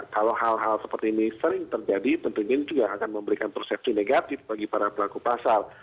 kalau hal hal seperti ini sering terjadi tentunya ini juga akan memberikan persepsi negatif bagi para pelaku pasar